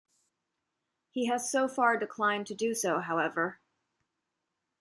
He has so far declined to do so, however.